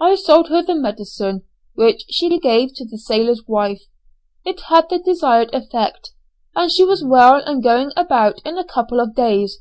I sold her the medicine, which she gave to the sailor's wife. It had the desired effect, and she was well and going about in a couple of days.